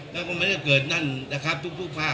ของเขาไม่ได้เกิดนั้นล่ะครับทุกภาพ